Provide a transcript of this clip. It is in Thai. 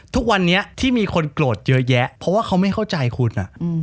ทุกวันนี้ที่มีคนโกรธเยอะแยะเพราะว่าเขาไม่เข้าใจคุณ